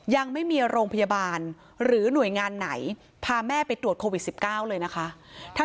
ยังไม่มีโรงพยาบาลหรือหน่วยงานไหนพาแม่ไปตรวจโควิด๑๙เลยนะคะ